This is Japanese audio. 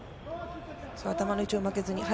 頭の位置を負けずに。